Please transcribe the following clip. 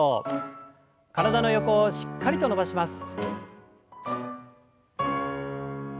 体の横をしっかりと伸ばします。